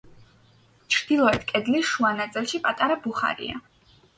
ჩრდილოეთ კედლის შუა ნაწილში პატარა ბუხარია.